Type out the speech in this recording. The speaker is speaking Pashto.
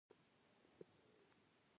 پنېر له خوږو خاطرونو سره تړلی دی.